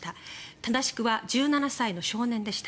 正しくは１７歳の少年でした。